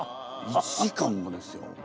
１時間もですよ。